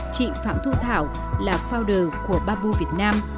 chị phạm thu thảo là founder của babu việt nam